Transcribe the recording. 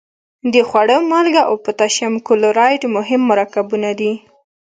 د خوړو مالګه او پوتاشیم کلورایډ مهم مرکبونه دي.